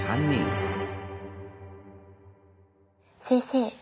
先生